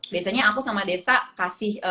biasanya aku sama desa kasih